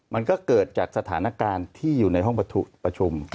มันก็เกิดจากสถานการณ์ที่อยู่ในห้องประชุม